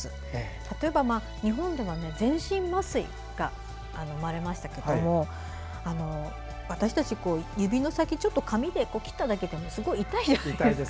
例えば、日本では全身麻酔が生まれましたけども私たち、指の先ちょっと紙で切っただけでもすごい痛いじゃないですか。